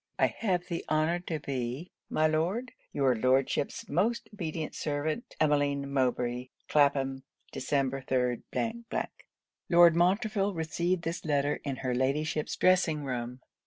I have the honour to be, my Lord, your Lordship's most obedient servant, EMMELINE MOWBRAY.' Clapham, Dec. 3. Lord Montreville received this letter in her Ladyship's dressing room.